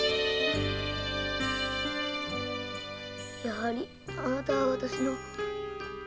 やはりあなたは私の。